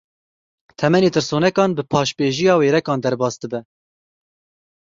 Temenê tirsonekan, bi paşbêjiya wêrekan derbas dibe.